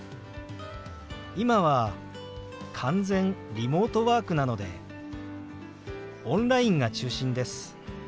今は完全リモートワークなのでオンラインが中心です。